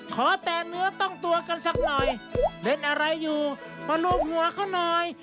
ขอแต่เนื้อต้องตัวกันสักหน่อยเล่นอะไรอยู่มารวมหัวเขาหน่อย